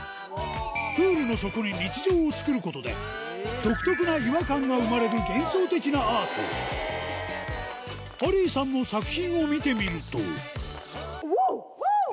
プールの底に日常を作ることで独特な違和感が生まれる幻想的なアートハリーさんの作品を見てみるとワオ！